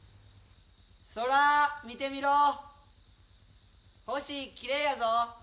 空見てみろ。星きれいやぞ。